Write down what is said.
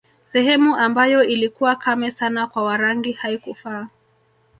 Sehemu ambayo ilikuwa kame sana kwa Warangi haikufaa